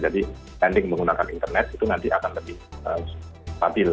jadi landing menggunakan internet itu nanti akan lebih stabil